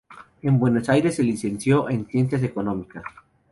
En Buenos Aires se licenció en Ciencias Económicas.